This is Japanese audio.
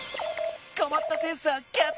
こまったセンサーキャッチ！